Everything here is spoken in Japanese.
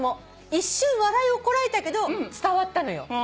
一瞬笑いをこらえたけど伝わったのよ。